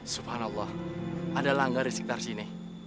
subhanallah ada langgar di sekitar sini